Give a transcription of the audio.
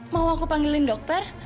mau aku panggilin dokter